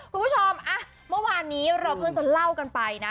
คุณผู้ชมเมื่อวานนี้เราเพิ่งจะเล่ากันไปนะ